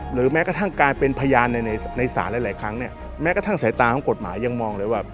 หรือแม้กระทั่งการเป็นพยานในศาลหลายครั้งเนี่ยแม้กระทั่งสายตาของกฎหมายยังมองเลยว่า